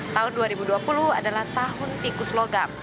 tahun dua ribu dua puluh adalah tahun tikus logam